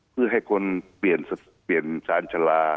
เพื่อให้คนเปลี่ยนชาญชาลา